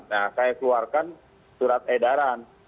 nah saya keluarkan surat edaran